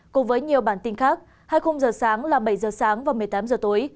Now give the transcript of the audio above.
cùng với nhiều bản tin khác hai khung giờ sáng là bảy giờ sáng và một mươi tám h tối